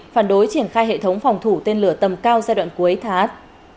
phản đối triển khai hệ thống phòng thủ tên lửa tầm cao giai đoạn cuối thát